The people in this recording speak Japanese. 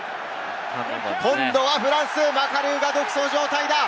今度はフランス、マカルーが独走状態だ！